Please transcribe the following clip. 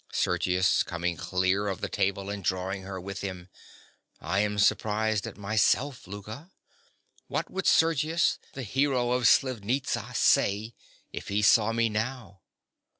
SERGIUS. (coming clear of the table and drawing her with him). I am surprised at myself, Louka. What would Sergius, the hero of Slivnitza, say if he saw me now?